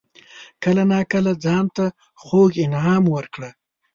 کله ناکله ځان ته خوږ انعام ورکړه.